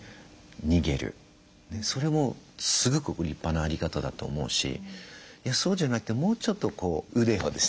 それもすごく立派なあり方だと思うしいやそうじゃなくてもうちょっとこう腕をですね